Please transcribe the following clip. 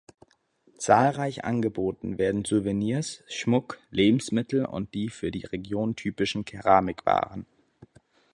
Zahlreich angeboten werden Souvenirs, Schmuck, Lebensmittel und die für die Region typischen Keramikwaren.